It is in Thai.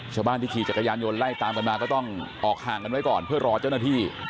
ชาวบ้านที่ขี่จักรยานยนต์ไล่ตามกันมาก็ต้องออกห่างกันไว้ก่อนเพื่อรอเจ้าหน้าที่